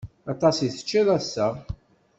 Aṭas i teččiḍ ass-a.